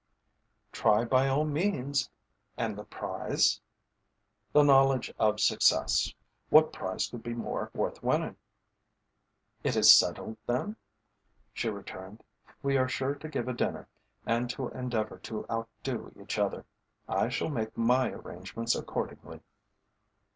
"Try, by all means. And the prize?" "The knowledge of success! What prize could be more worth winning?" "It is settled then?" she returned. "We are each to give a dinner and to endeavour to outdo each other. I shall make my arrangements accordingly."